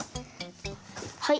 はい。